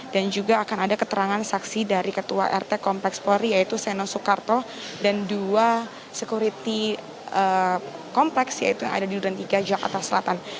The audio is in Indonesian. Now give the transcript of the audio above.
dan juga akan ada keterangan saksi dari ketua rt kompleks polri yaitu seno soekarto dan dua sekuriti kompleks yaitu yang ada di u dua puluh tiga jakarta selatan